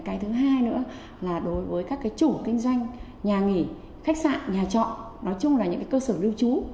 cái thứ hai nữa là đối với các cái chủ kinh doanh nhà nghỉ khách sạn nhà trọ nói chung là những cơ sở lưu trú